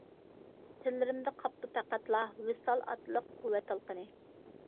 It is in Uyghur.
تىللىرىمدا قاپتۇ پەقەتلا، ۋىسال ئاتلىق قۇۋۋەت تالقىنى.